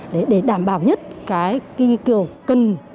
để đảm bảo nhất cái kỳ kiểu cần